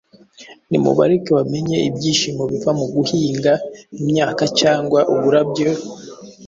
Nimubareke bamenye ibyishimo biva mu guhinga imyaka cyangwa uburabyo,